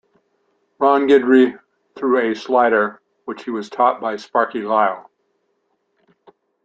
Ron Guidry threw a slider, which he was taught by Sparky Lyle.